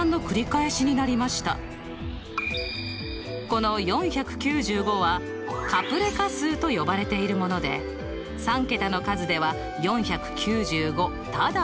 この４９５はカプレカ数と呼ばれているもので３けたの数では４９５ただ１つ。